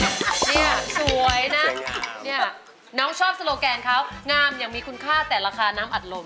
เนี่ยสวยนะเนี่ยน้องชอบโซโลแกนเขางามอย่างมีคุณค่าแต่ราคาน้ำอัดลม